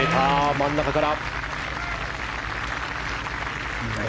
真ん中から。